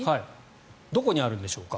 どこにあるんでしょうか